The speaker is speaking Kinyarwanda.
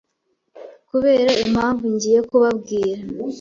kubera impamvu ngiye kubabwira.